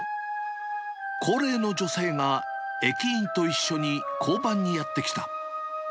高齢の女性が駅員と一緒に交番にやって来た。